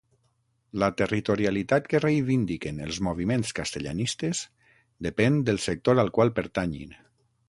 La territorialitat que reivindiquen els moviments castellanistes depèn del sector al qual pertanyin.